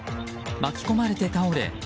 巻き込まれて倒れ